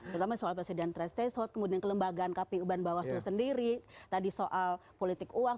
terutama soal presiden treset kemudian kelembagaan kp uban bawah sendiri tadi soal politik uang